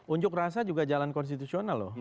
unjuk rasa juga jalan konstitusional loh